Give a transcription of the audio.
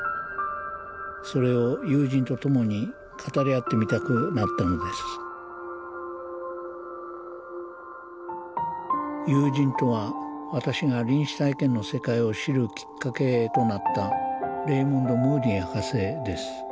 それを友人と共に語り合ってみたくなったのです友人とは私が臨死体験の世界を知るきっかけとなったレイモンド・ムーディ博士です。